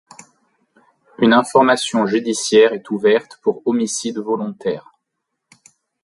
Une information judiciaire est ouverte pour homicide volontaire.